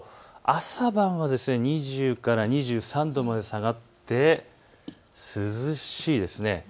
朝晩は２０から２３度まで下がって、涼しいですね。